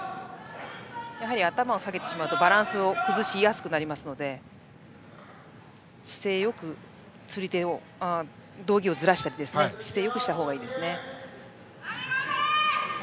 やはり頭を下げてしまうとバランスが崩しやすくなりますので姿勢よく道着をずらしたり姿勢をよくした方がいいです。